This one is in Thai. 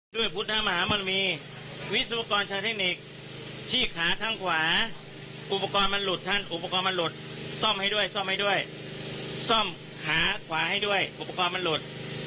ด้วยพุทธมหามันมีวิศวกรชาวเทคนิคที่ขาข้างขวาอุปกรณ์มันหลุดท่านอุปกรณ์มันหลุดซ่อมให้ด้วยซ่อมให้ด้วยซ่อมขาขวาให้ด้วยอุปกรณ์มันหลุด